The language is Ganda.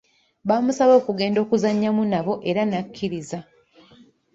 Baamusaba okugenda okuzannyamu nabo era n'akkiriza.